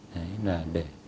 đấy là để